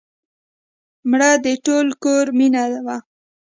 مړه د ټول کور مینه وه